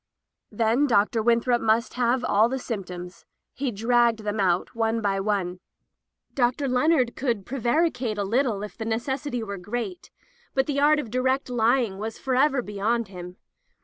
'* Then Dr. Winthrop must have all the symptoms. He dragged them out, one by one. Dr. Leonard could prevaricate a litde if the necessity were great, but the art of direct ly ing was forever beyond him.